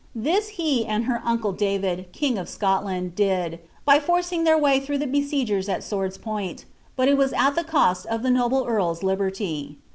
This he and her uncle David, king of Scodand, did, by forcing their vay through the besiegers at swords' points ; but it was at the cost of the noble earl's liberty.